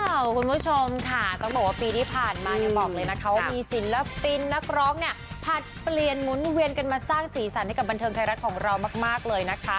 คุณผู้ชมค่ะต้องบอกว่าปีที่ผ่านมาเนี่ยบอกเลยนะคะว่ามีศิลปินนักร้องเนี่ยผลัดเปลี่ยนหมุนเวียนกันมาสร้างสีสันให้กับบันเทิงไทยรัฐของเรามากเลยนะคะ